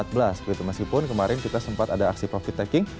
meskipun kemarin kita sempat ada aksi profit taking